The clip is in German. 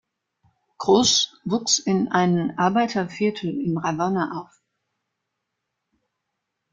Cruz wuchs in einem Arbeiterviertel in Havanna auf.